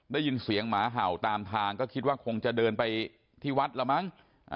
ได้ยินเสียงหมาเห่าตามทางก็คิดว่าคงจะเดินไปที่วัดละมั้ง